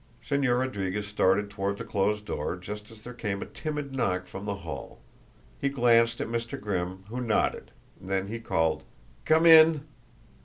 Señor Rodriguez started toward the closed door just as there came a timid knock from the hall. He glanced at Mr. Grimm, who nodded, then he called: "Come in!"